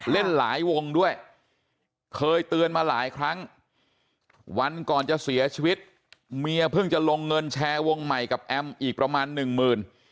เล่นหลายวงด้วยเคยเตือนมาหลายครั้งวันก่อนจะเสียชีวิตเมียเพิ่งจะลงเงินแชร์วงใหม่กับแอมอีกประมาณหนึ่งหมื่น